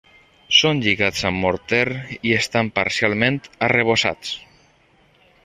Són lligats amb morter i estan parcialment arrebossats.